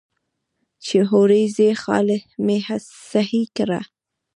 چې هورې ځې خال مې سهي کړه.